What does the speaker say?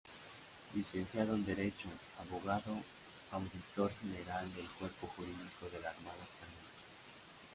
Licenciado en Derecho, Abogado, Auditor General del Cuerpo Jurídico de la Armada Española.